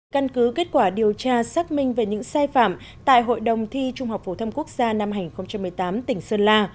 căn cứ kết quả điều tra xác minh về những sai phạm tại hội đồng thi trung học phổ thông quốc gia năm hai nghìn một mươi tám tỉnh sơn la